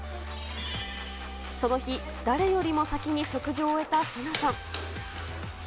その日、誰よりも先に食事を終えたセナさん。